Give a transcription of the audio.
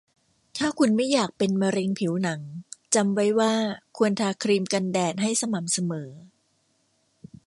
ถ้าคุณไม่อยากเป็นมะเร็งผิวหนัง จำไว้ว่าควรทาครีมกันแดดให้สม่ำเสมอ